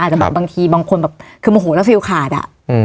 อาจจะแบบบางทีบางคนแบบคือโมโหแล้วฟิลขาดอ่ะ